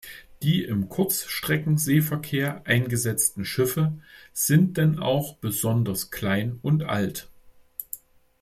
Die im Kurzstreckenseeverkehr eingesetzten Schiffe sind denn auch besonders klein und alt.